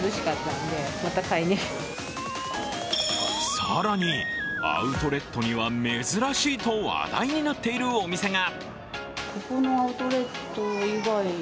更にアウトレットには珍しいと話題となっているお店が。